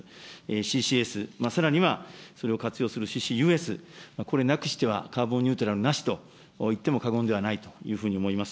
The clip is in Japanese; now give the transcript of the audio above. ＣＣＳ、さらにはそれを活用するＣＣＵＳ、これなくしてはカーボンニュートラルなしといっても過言ではないというふうに思います。